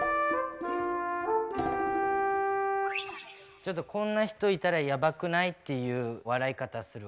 ちょっとこんな人いたらやばくない？っていう笑い方するわ。